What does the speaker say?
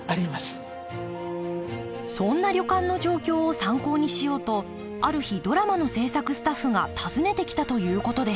そんな旅館の状況を参考にしようとある日ドラマの制作スタッフが訪ねてきたということです